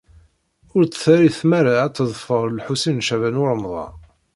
Ur tt-terri tmara ad teḍfer Lḥusin n Caɛban u Ṛemḍan.